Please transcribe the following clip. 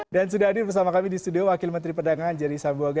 dan sudah hadir bersama kami di studio wakil menteri perdagangan jerry sambuaga